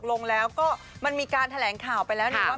ลงแล้วก็มันมีการแถลงข่าวไปแล้วหนึ่งว่า